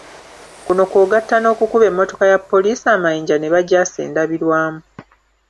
Kuno kw'ogatta n'okukuba emmotoka ya poliisi amayinja ne bagyasa endabirwamu.